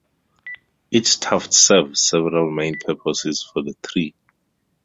Each tuft serves several main purposes for the tree.